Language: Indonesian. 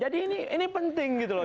jadi ini penting gitu loh